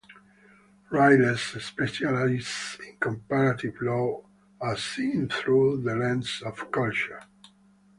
Riles specializes in comparative law as seen through the lens of culture.